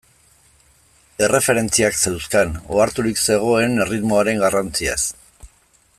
Erreferentziak zeuzkan, oharturik zegoen erritmoaren garrantziaz.